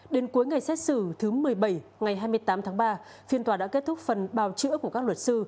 đến cuối ngày xét xử thứ một mươi bảy ngày hai mươi tám tháng ba phiên tòa đã kết thúc phần bào chữa của các luật sư